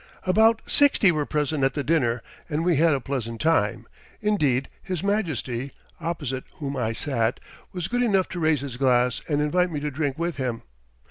About sixty were present at the dinner and we had a pleasant time, indeed. His Majesty, opposite whom I sat, was good enough to raise his glass and invite me to drink with him.